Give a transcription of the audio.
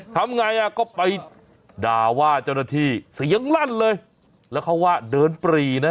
ทำไงอ่ะก็ไปด่าว่าเจ้าหน้าที่เสียงลั่นเลยแล้วเขาว่าเดินปรีนะ